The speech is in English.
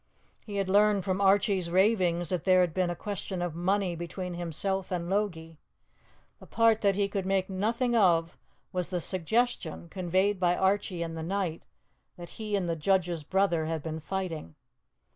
He had learned from Archie's ravings that there had been a question of money between himself and Logie. The part that he could make nothing of was the suggestion, conveyed by Archie in the night, that he and the judge's brother had been fighting.